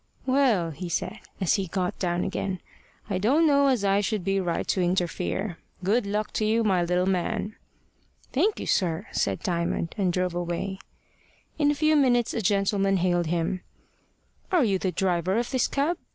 "Well," he said, as he got down again, "I don't know as I should be right to interfere. Good luck to you, my little man!" "Thank you, sir," said Diamond, and drove away. In a few minutes a gentleman hailed him. "Are you the driver of this cab?"